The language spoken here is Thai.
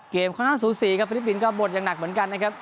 ค่อนข้างสูสีครับฟิลิปปินส์หมดอย่างหนักเหมือนกันนะครับ